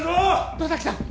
野崎さん！